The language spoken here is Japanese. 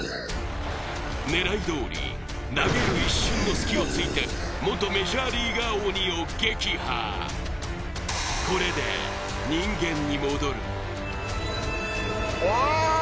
狙いどおり投げる一瞬の隙を突いて元メジャーリーガー鬼を撃破これで人間に戻るわー！